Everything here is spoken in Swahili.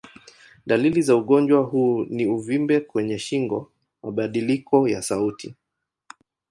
Dalili za ugonjwa huu ni uvimbe kwenye shingo, mabadiliko ya sauti.